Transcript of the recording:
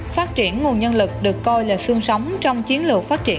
phát triển nguồn nhân lực được coi là xương sóng trong chiến lược phát triển